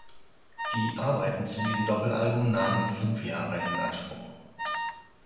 Die Arbeiten zu diesem Doppelalbum nahmen fünf Jahre in Anspruch.